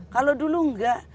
kalau dulu tidak